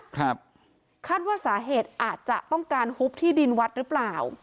คาดว่าสาเหตุอาจจะต้องการหุบที่ดินวัดหรือเปล่า